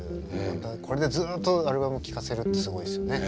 これでずっとアルバム聴かせるってすごいですよね。